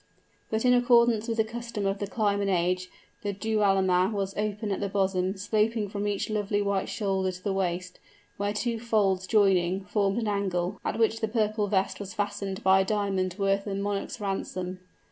But in accordance with the custom of the clime and age, the dualma was open at the bosom, sloping from each lovely white shoulder to the waist, where the two folds joining, formed an angle, at which the purple vest was fastened by a diamond worth a monarch's ransom.